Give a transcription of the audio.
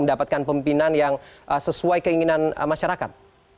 mendapatkan pemimpinan yang sesuai keinginan masyarakat